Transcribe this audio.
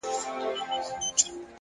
هڅاند زړونه ژر نه ستړي کېږي’